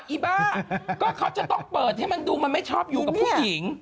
อีบ้าก็เขาจะต้องเปิดให้มันดูมันไม่ชอบอยู่กับผู้หญิง